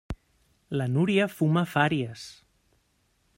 La Núria fuma fàries.